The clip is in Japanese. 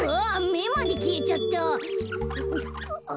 めまできえちゃった。